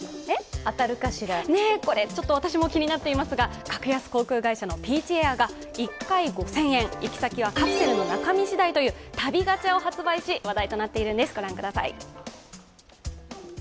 これ私も気になっていますが格安航空会社のピーチエアが１回５０００円行き先はカプセルの中身次第という旅ガチャを発売し、話題となっているんです御覧ください。